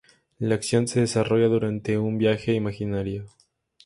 La acción se desarrolla durante un viaje imaginario.